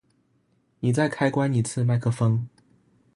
妳再開關一次麥克風